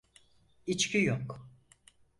İçki yok.